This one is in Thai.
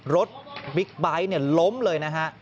บิ๊กไบท์ล้มเลยนะฮะ